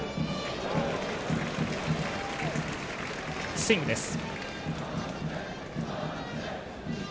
スイングです。